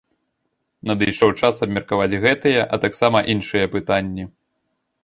Надышоў час абмеркаваць гэтыя, а таксама іншыя пытанні!